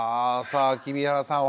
さあ黍原さん